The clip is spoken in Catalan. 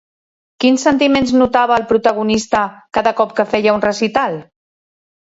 Quins sentiments notava el protagonista cada cop que feia un recital?